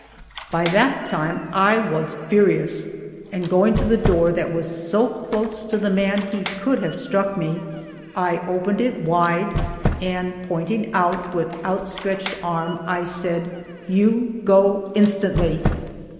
By that time I was furious, and going to the door that was so close to the man he could have struck me, I opened it wide, and pointing out with outstretched arm I said, "You go instantly!"